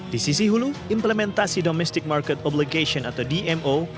di sisi hulu implementasi domestic market obligation atau dmo